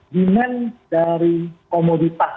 demand dari komoditas